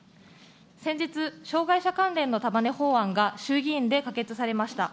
先日、障害者関連の法案が衆議院で可決されました。